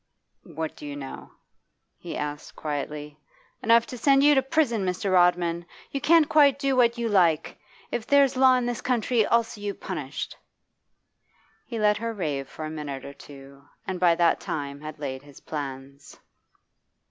'What do you know?' he asked quietly. 'Enough to send you to prison, Mr. Rodman. You can't do quite what you like! If there's law in this country I'll see you punished!' He let her rave for a minute or two, and by that time had laid his plans.